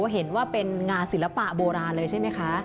เห็นว่าเป็นงานศิลปะโบราณเลยใช่ไหมคะ